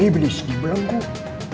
iblis di belengkuk